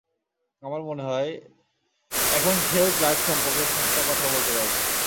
আমার মনে হয়, এখন সেও ক্লার্ক সম্পর্কে সস্তা কথা বলতে চাইছে।